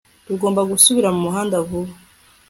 Tugomba gusubira mumuhanda vuba